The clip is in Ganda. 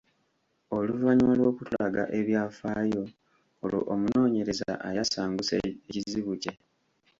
Oluvannyuma lw’okutulaga ebyafaayo, olwo omunoonyereza ayasanguza ekizibu kye.